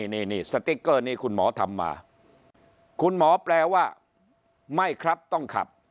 นี่สติ๊กเกอร์นี้คุณหมอทำมาคุณหมอแปลว่าไม่ครับต้องขับ